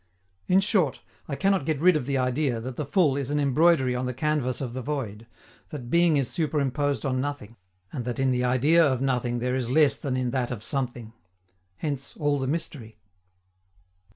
In short, I cannot get rid of the idea that the full is an embroidery on the canvas of the void, that being is superimposed on nothing, and that in the idea of "nothing" there is less than in that of "something." Hence all the mystery.